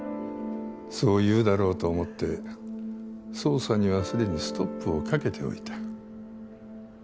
そう言うだろうと思って捜査には既にストップをかけておいた。